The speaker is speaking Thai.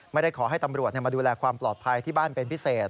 ไม่ได้ขอให้ตำรวจมาดูแลความปลอดภัยที่บ้านเป็นพิเศษ